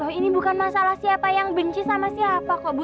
oh ini bukan masalah siapa yang benci sama siapa kok bu